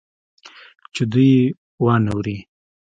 چې دوى يې وانه وري.